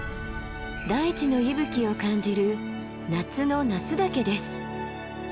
大地の息吹を感じる夏の那須岳です。